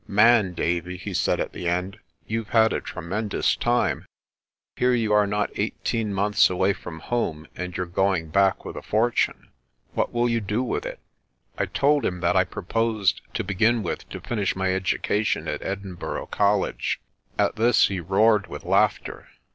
"Man, Davie," he said at the end, "you've had a tre mendous time. Here are you not eighteen months away from home, and you're going back with a fortune. What will you do with it?' I told him that I proposed, to begin with, to finish my edu cation at Edinburgh College. At this he roared with laughter.